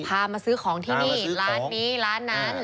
พามาซื้อของที่นี่ร้านนี้ร้านนั้นคุณชุวิต